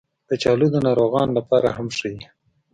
کچالو د ناروغانو لپاره هم ښه دي